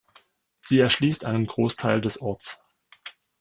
Sie erschließt einen Großteil des Orts.